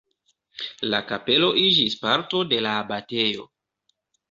La kapelo iĝis parto de la abatejo.